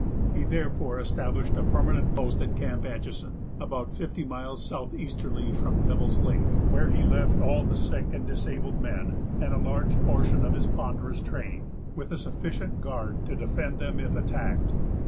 He therefore established a permanent post at Camp Atchison, about fifty miles southeasterly from Devil's lake, where he left all the sick and disabled men, and a large portion of his ponderous train, with a sufficient guard to defend them if attacked.